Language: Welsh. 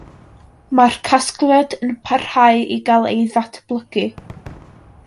Mae'r casgliad yn parhau i gael ei ddatblygu.